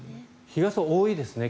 日傘、多いですね。